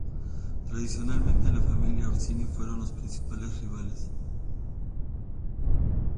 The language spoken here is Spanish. Tradicionalmente, la familia Orsini fueron sus principales rivales.